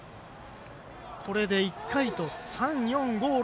これで１回と３、４、５、６